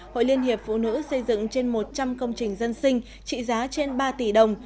hội liên hiệp phụ nữ xây dựng trên một trăm linh công trình dân sinh trị giá trên ba tỷ đồng